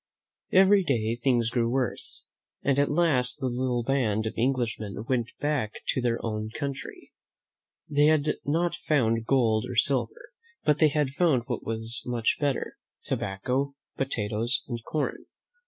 Every day things grew worse, and at last the little band of Englishmen went back to their own country. They had not found gold or silver, but they had found what was much better, tobacco, potatoes and corn.